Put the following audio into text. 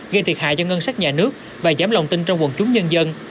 gây thiệt hại cho ngân sách nhà nước và giảm lòng tin trong quần chúng nhân dân